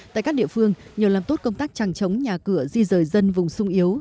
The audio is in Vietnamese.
tại các địa phương nhiều làm tốt công tác trăng trống nhà cửa di rời dân vùng sung yếu